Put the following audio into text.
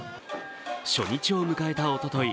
初日を迎えたおととい